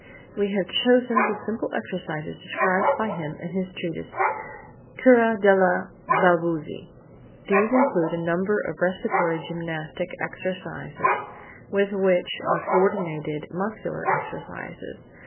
We have chosen the simple exercises described by him in his treatise, "Cura della Balbuzie." 9 These include a number of respiratory gymnastic exercises with which are co ordinated muscular exercises.